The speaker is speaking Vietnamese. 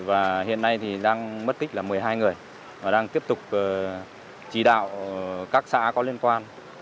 và hiện nay thì đang mất tích là một mươi hai người và đang tiếp tục chỉ đạo các xã có liên quan